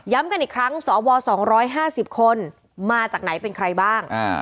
กันอีกครั้งสว๒๕๐คนมาจากไหนเป็นใครบ้าง